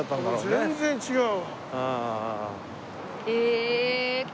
全然違う！